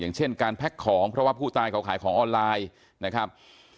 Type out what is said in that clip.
อย่างเช่นการแพ็คของเพราะว่าผู้ตายเขาขายของออนไลน์นะครับ